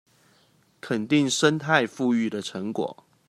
肯定生態復育的成果